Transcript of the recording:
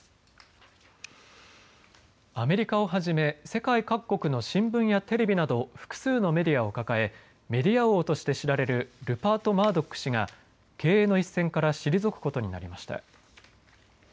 アメリカをはじめ世界各国の新聞やテレビなど複数のメディアを抱えメディア王として知られるルパート・マードック氏が経営の一線から退くことになりました。